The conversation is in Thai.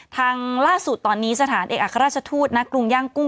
ล่าสุดตอนนี้สถานเอกอัครราชทูตณกรุงย่างกุ้ง